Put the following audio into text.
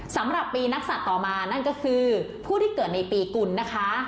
สำหรับปีนักศัตริย์ต่อมานั่นก็คือผู้ที่เกิดในปีกุลนะคะ